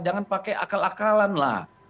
jangan pakai akal akalan lah